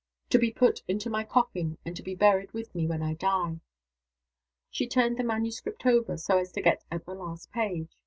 To be put into my coffin, and to be buried with me when I die." She turned the manuscript over, so as to get at the last page.